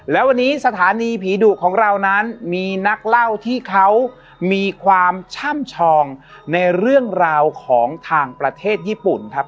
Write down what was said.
และวันนี้สถานีผีดุของเรานั้นมีนักเล่าที่เขามีความช่ำชองในเรื่องราวของทางประเทศญี่ปุ่นครับ